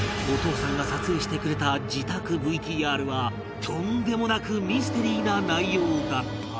お父さんが撮影してくれた自宅 ＶＴＲ はとんでもなくミステリーな内容だった